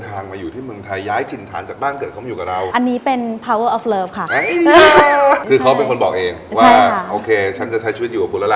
คือเค้าเป็นคนบอกเองว่าโอเคฉันจะใช้ชีวิตอยู่กับคุณแล้วล่ะ